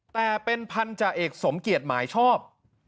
แต่เป็นพันธาเอกสมเกียจหมายชอบ